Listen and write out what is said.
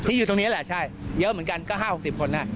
ที่อยู่ตรงเนี้ยแหละใช่เยอะเหมือนกันก็ห้าหกสิบคนได้